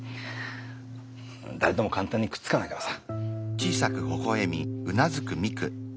誰とも簡単にくっつかないからさ。